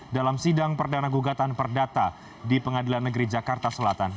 dalam sidang perdana gugatan perdata di pengadilan negeri jakarta selatan